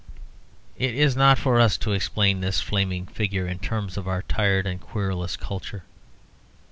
It is not for us to explain this flaming figure in terms of our tired and querulous culture.